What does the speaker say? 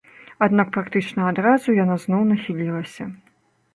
Аднак практычна адразу яна зноў нахілілася.